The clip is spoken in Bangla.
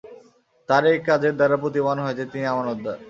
তাঁর এ কাজের দ্বারা প্রতীয়মান হয় যে, তিনি আমানতদার।